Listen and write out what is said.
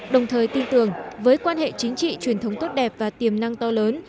đồng thời tin tưởng với quan hệ chính trị truyền thống tốt đẹp và tiềm năng to lớn